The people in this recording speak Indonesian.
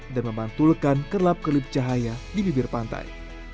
dan memantulkan kerlap kelip cahaya di bibir pantai